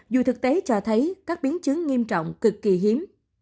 dù thực tế cho thấy các biến chứng nghiêm trọng cực kỳ hiếm